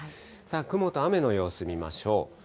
雲と雨の様子見ましょう。